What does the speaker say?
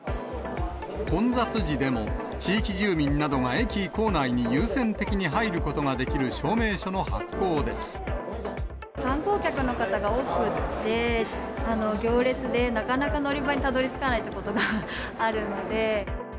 混雑時でも、地域住民などが駅構内に優先的に入ることができる証明書の発行で観光客の方が多くって、行列でなかなか乗り場にたどりつかないということがあるので。